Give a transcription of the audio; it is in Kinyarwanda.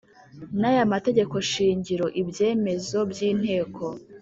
n aya mategeko shingiro ibyemezo by inteko